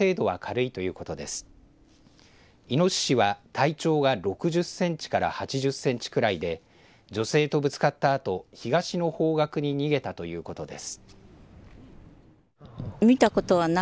いのししは体長が６０センチから８０センチぐらいで女性とぶつかったあと東の方角に逃げたということです。